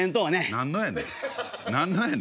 何のやねん。